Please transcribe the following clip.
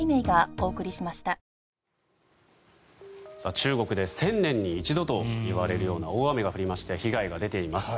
中国で１０００年に一度といわれるような大雨が降りまして被害が出ています。